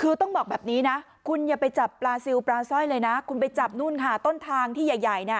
คือต้องบอกแบบนี้นะคุณอย่าไปจับปราสิวปราส้อยเลยนะคุณไปจับต้นทางขาข้างที่ใหญ่แย่